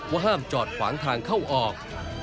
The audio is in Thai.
ห้ามจอดขวางทางเข้าออก